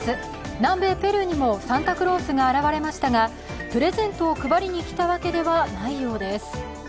南米ペルーにもサンタクロースが現れましたが、プレゼントを配りに来たわけではないようです。